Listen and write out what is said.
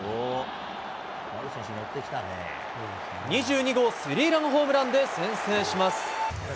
２２号スリーランホームランで先制します。